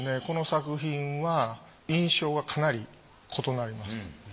この作品は印象がかなり異なります。